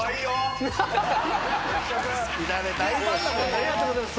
ありがとうございます。